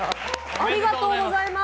ありがとうございます。